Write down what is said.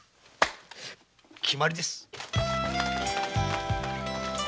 決まりです！